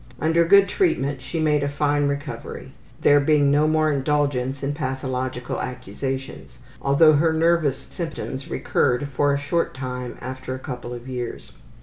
Under good treatment she made a fine recovery; there being no more indulgence in pathological accusations, although her nervous symptoms recurred for a short time after a couple of years.